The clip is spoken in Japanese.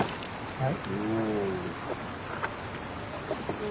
はい。